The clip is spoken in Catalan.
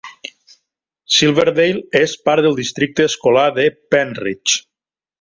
Silverdale és part del Districte Escolar de Pennridge.